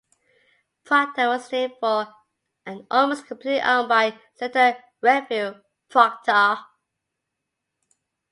Proctor was named for and almost completely owned by Senator Redfield Proctor.